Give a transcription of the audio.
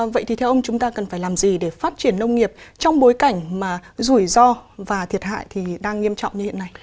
vậy thì theo ông chúng ta cần phải làm gì để phát triển nông nghiệp trong bối cảnh mà rủi ro và thiệt hại thì đang nghiêm trọng như hiện nay